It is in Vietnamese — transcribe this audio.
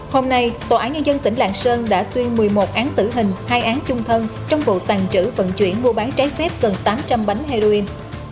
hôm nay tòa án nhân dân tỉnh lạng sơn đã tuyên một mươi một án tử hình hai án chung thân trong vụ tàn trữ vận chuyển mua bán trái phép gần tám trăm linh bánh heroin